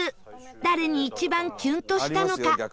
誰に一番キュンとしたのか？